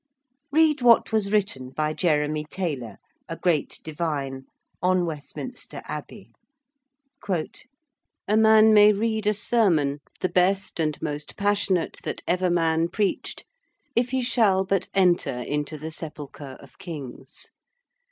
Read what was written by Jeremy Taylor, a great divine, on Westminster Abbey: 'A man may read a sermon, the best and most passionate that ever man preached, if he shall but enter into the sepulchre of Kings....